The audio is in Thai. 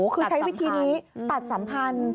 คือใช้วิธีนี้ตัดสัมพันธ์